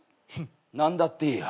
何だっていいよ。